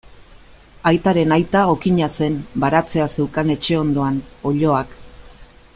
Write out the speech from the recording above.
Aitaren aita okina zen, baratzea zeukan etxe ondoan, oiloak.